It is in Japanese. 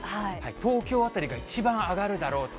東京辺りが一番上がるだろうと。